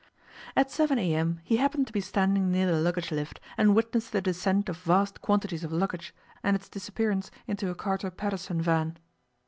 At 7 a.m. he happened to be standing near the luggage lift, and witnessed the descent of vast quantities of luggage, and its disappearance into a Carter Paterson van.